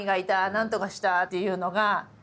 「何とかした？」っていうのが。